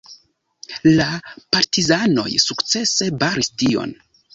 La partizanoj sukcese baris tion.